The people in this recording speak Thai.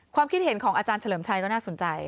ความคิดเห็นของอาจารย์เฉลิมชัยก็น่าสนใจ